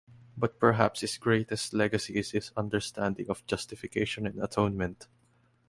But perhaps his greatest legacy is his understanding of Justification and Atonement.